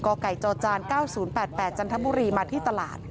กไก่จจ๙๐๘๘จันทบุรีมาที่ตลาด